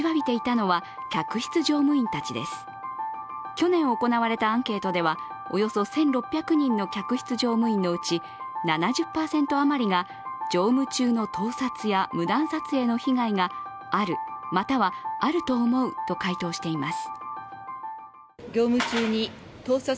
去年行われたアンケートではおよそ１６００人の客室乗務員のうち７０％余りが乗務中の盗撮や無断撮影の被害が「ある」、または「あると思う」と回答しています。